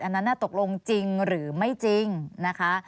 อันนั้นตกลงจริงหรือไม่จริงนะคะ